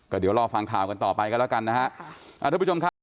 เดี๋ยวรอฟังข่าวกันต่อไปกันแล้วกันนะฮะทุกผู้ชมครับ